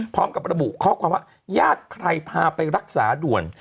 พร้อมกับระบุข้อความว่าญาติใครพาไปรักษาด่วน